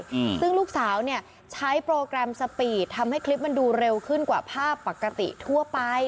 อืมซึ่งลูกสาวเนี้ยใช้โปรแกรมสปีดทำให้คลิปมันดูเร็วขึ้นกว่าภาพปกติทั่วไป